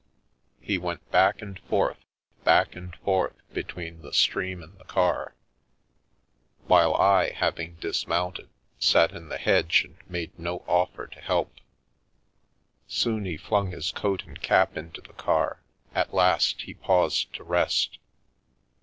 He went back and forth, back and forth, between the stream and the car; while I, having dismounted, sat in the hedge and made no offer to help. Soon he flung his coat and cap into the car, at last he paused to rest.